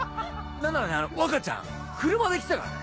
何ならね若ちゃん車で来てたからね。